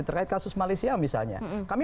terkait kasus malaysia misalnya kami